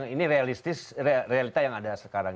ini realistis realita yang ada sekarang